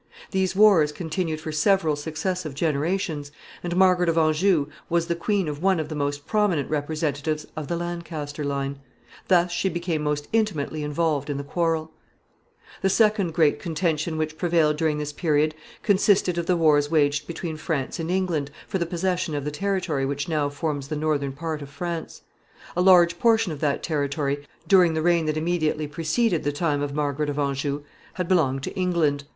These wars continued for several successive generations, and Margaret of Anjou was the queen of one of the most prominent representatives of the Lancaster line. Thus she became most intimately involved in the quarrel. [Sidenote: Wars in France.] The second great contention which prevailed during this period consisted of the wars waged between France and England for the possession of the territory which now forms the northern portion of France. A large portion of that territory, during the reigns that immediately preceded the time of Margaret of Anjou, had belonged to England.